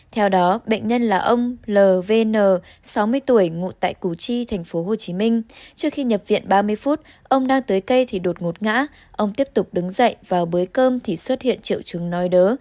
theo đó bệnh nhân là ông lvn sáu mươi tuổi ngụ tại củ chi tp hcm trước khi nhập viện ba mươi phút ông đang tới cây thì đột ngột ngã ông tiếp tục đứng dậy vào bới cơm thì xuất hiện triệu chứng nói đớ